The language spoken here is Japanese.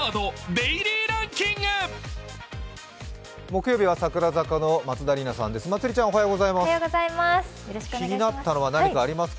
木曜日は櫻坂の松田里奈ちゃんです。